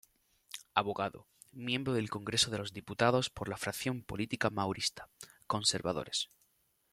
Abogado, miembro del Congreso de los Diputados por la fracción política maurista, conservadores.